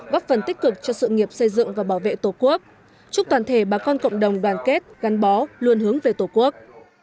góp phần tích cực cho sự nghiệp xây dựng và bảo vệ tổ quốc chúc toàn thể bà con cộng đồng đoàn kết gắn bó luôn hướng về tổ quốc